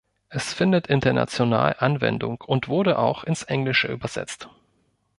Es findet international Anwendung und wurde auch ins Englische übersetzt.